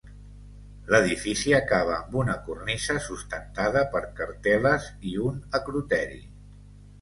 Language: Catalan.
L'edifici acaba amb una cornisa sustentada per cartel·les i un acroteri.